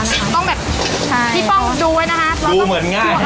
ต้องที่ฟองดูไว้นะคะประโยชน์ดูเหมือนง่าย